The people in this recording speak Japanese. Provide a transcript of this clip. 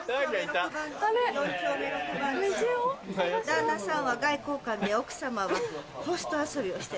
旦那さんは外交官で奥様はホスト遊びをしてる。